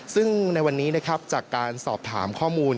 ซึ่งในวันนี้นะครับจากการสอบถามข้อมูล